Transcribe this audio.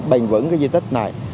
bền vững cái di tích này